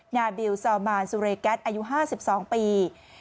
นาบิลซาวมานสุเรแก๊สอายุ๕๒ปี